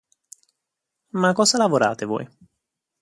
Ma cosa lavorate voi?